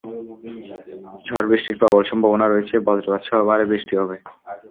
ঝড়বৃষ্টির প্রবল সম্ভাবনা রয়েছে, বজ্রপাত সহ ভারি বৃষ্টি হবে।